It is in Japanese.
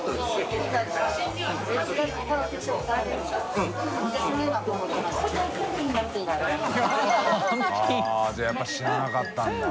犬磴やっぱ知らなかったんだ。